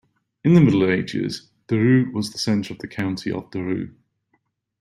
In the Middle Ages, Dreux was the centre of the County of Dreux.